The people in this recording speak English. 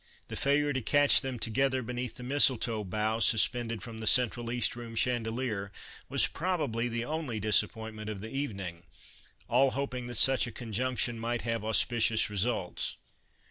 The failure to catch them together beneath the mistletoe bough suspended from the central East Room chandelier was probably the only disappointment of the evening, all hoping that such a conjunction might 39 Christmas Under Three Tlags have auspicious results.